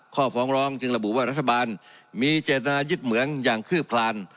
ฟ้องร้องจึงระบุว่ารัฐบาลมีเจตนายึดเหมืองอย่างคืบคลาน